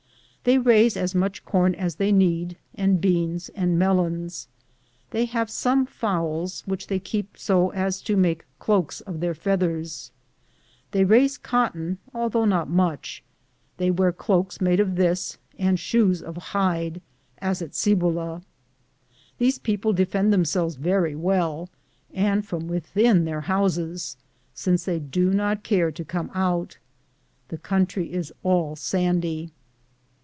They raise as much corn as they need, and beans and melons. They have some fowls, which they keep so as to make cloaks of their feathers. They raise cotton, although not much ; they wear cloaks made of this, and shoes of hide, as at Cibola. These people defend themselves very well, and from within their houses, since they do not care to come out. The country is all sandy.